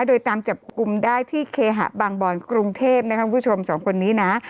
โดยตามจับกลุ่มได้ที่เคหะบางบอนกรุงเทพนะครับคุณผู้ชมสองคนนี้นะ